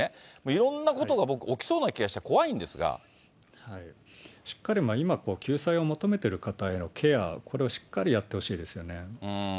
いろんなことが僕、起きそうな気しっかり今、救済を求めてる方へのケア、これをしっかりやってほしいですよね。